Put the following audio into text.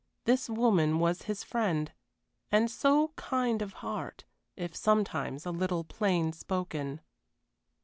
This woman was his friend, and so kind of heart, if sometimes a little plain spoken.